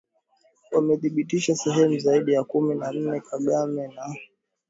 wamedhibithi sehemu zaidi ya kumi na nne Kagame na Tshisekedi wamekubali kupunguza uhasama